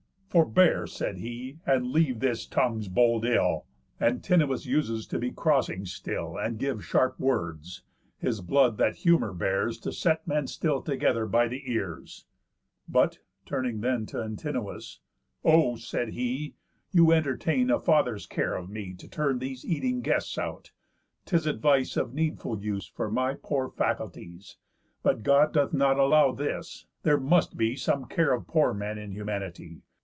"Forbear," said he, "and leave this tongue's bold ill. Antinous uses to be crossing still, And give sharp words; his blood that humour bears, To set men still together by the ears. But," turning then t' Antinous, "O," said he, "You entertain a father's care of me, To turn these eating guests out. 'Tis advice Of needful use for my poor faculties, But God doth not allow this; there must be Some care of poor men in humanity.